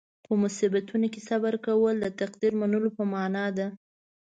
په مصیبتونو صبر کول د تقدیر منلو په معنې ده.